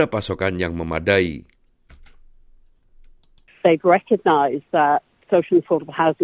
pembangunan sosial yang lebih aman